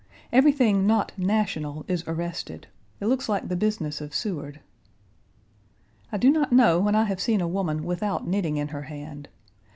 Everything not "national" is arrested. It looks like the business of Seward. I do not know when I have seen a woman without knitting in her hand.